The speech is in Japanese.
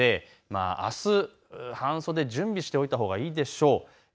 あす半袖を準備をしておいたほうがいいと思います。